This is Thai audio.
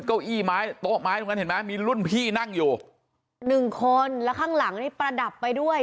เก้าอี้ไม้โต๊ะไม้ตรงนั้นเห็นไหมมีรุ่นพี่นั่งอยู่หนึ่งคนแล้วข้างหลังนี่ประดับไปด้วย